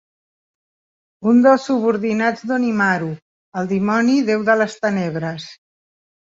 Un dels subordinats d'Onimaru, el Dimoni Déu de les Tenebres.